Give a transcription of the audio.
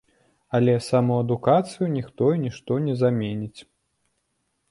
Але самаадукацыю ніхто і нішто не заменіць.